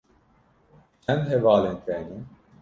Çend hevalên te hene?